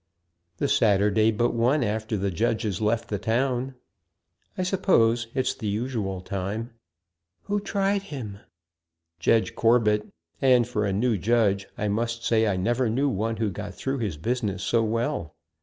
"The Saturday but one after the Judges left the town, I suppose it's the usual time." "Who tried him?" "Judge Corbet; and, for a new judge, I must say I never knew one who got through his business so well.